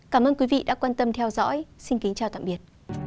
cảm ơn quý vị đã quan tâm theo dõi xin kính chào tạm biệt